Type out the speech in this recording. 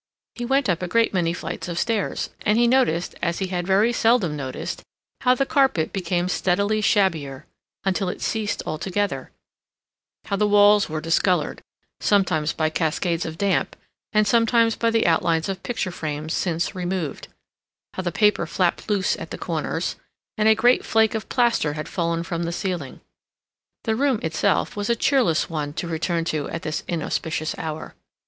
He went up a great many flights of stairs, and he noticed, as he had very seldom noticed, how the carpet became steadily shabbier, until it ceased altogether, how the walls were discolored, sometimes by cascades of damp, and sometimes by the outlines of picture frames since removed, how the paper flapped loose at the corners, and a great flake of plaster had fallen from the ceiling. The room itself was a cheerless one to return to at this inauspicious hour.